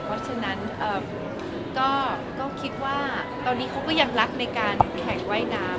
เพราะฉะนั้นก็คิดว่าตอนนี้เขาก็ยังรักในการแข่งว่ายน้ำ